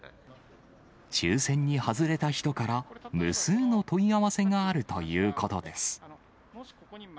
抽せんに外れた人から、無数の問い合わせがあるということです。